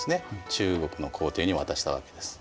中国の皇帝に渡したわけです。